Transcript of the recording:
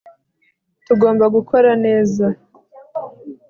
tugomba gukora neza